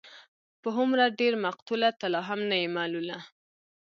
په هومره ډېر مقتوله، ته لا هم نه يې ملوله